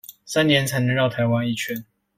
三年才能繞台灣一圈